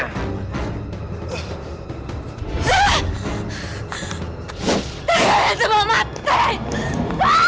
jamilah jangan tinggalkan aku jamilah